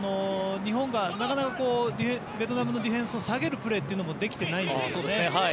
日本がなかなかベトナムのディフェンスを下げるプレーというのもできていないんですよね。